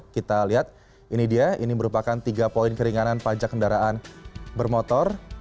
kita lihat ini dia ini merupakan tiga poin keringanan pajak kendaraan bermotor